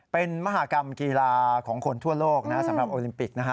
เป็นมหากรรมกีฬาของคนทั่วโลกนะสำหรับโอลิมปิกนะฮะ